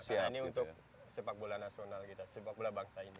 karena ini untuk sepak bola nasional kita sepak bola bangsa ini